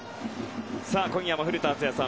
今夜も古田敦也さん